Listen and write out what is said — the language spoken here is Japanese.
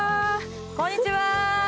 こんにちは。